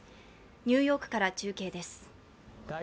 ニューヨークから中継です。